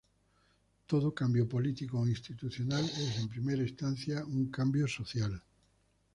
Todo cambio político o institucional es en primera instancia un cambio social.